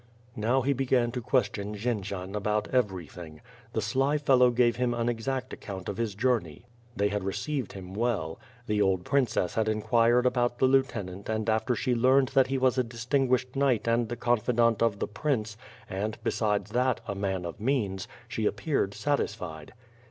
Now he began to question Jendzian about everything. The sly fellow gave him an exact account of his journey? They had received him well. The old princess had inquired about the lieutenant and after she learned that he was a distin guished knight and the confidant of the prince and, besides that, a man of means, she appeared satisfied.